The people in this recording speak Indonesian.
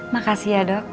makasih ya dok